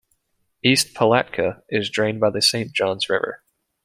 East Palatka is drained by the Saint Johns River.